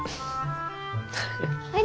はい。